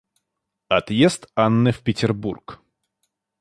Отъезд Анны в Петербург.